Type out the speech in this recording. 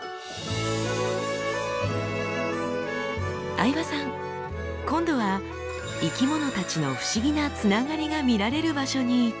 相葉さん今度は生きものたちの不思議なつながりが見られる場所に行ってみました。